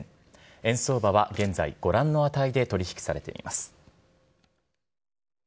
円相場は現在、ご覧の値で取り引きされています。